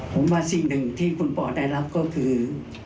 ผมว่าสิ่งหนึ่งที่คุณป่อได้รับก็คือ